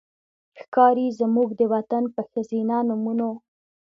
ښکاري زموږ د وطن په ښځېنه نومونو